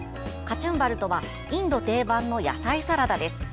カチュンバルとはインド定番の野菜サラダです。